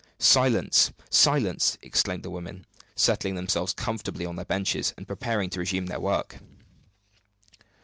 Silence! silence!" exclaimed the women, settling themselves comfortably on their benches, and preparing to resume their work.